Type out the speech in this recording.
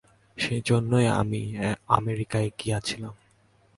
সেই জন্যই আমি আমেরিকায় গিয়াছিলাম।